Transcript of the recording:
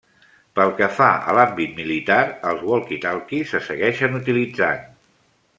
Pel que fa a l'àmbit militar, els walkie-talkies se segueixen utilitzant.